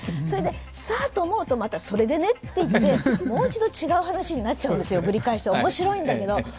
それで、さっと思うとそれでねって言って、もう一度違う話になっちゃうんですよ、面白いんだけど。